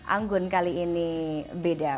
anggun kali ini beda